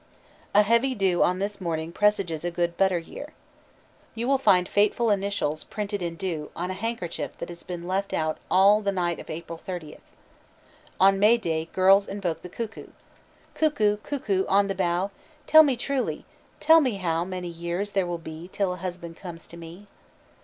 _ A heavy dew on this morning presages a good "butter year." You will find fateful initials printed in dew on a handkerchief that has been left out all the night of April thirtieth. On May Day girls invoke the cuckoo: "Cuckoo! cuckoo! on the bough, Tell me truly, tell me how Many years there will be Till a husband comes to me."